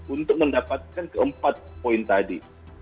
untuk mendapatkan keempat poin tadi